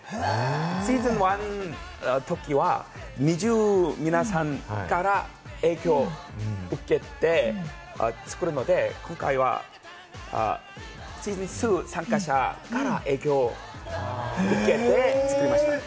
シーズン１のときは、ＮｉｚｉＵの皆さんから影響を受けて作るので、今回はシーズン２参加者から影響を受けて作りました。